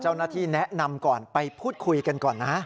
เจ้าหน้าที่แนะนำก่อนไปพูดคุยกันก่อนนะฮะ